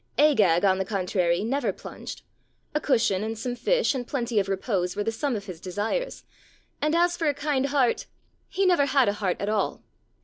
Agag, on the contrary, never plunged : a cushion and some fish and plenty of repose were the sum of his desires, and as for a kind heart, he never had a heart at all.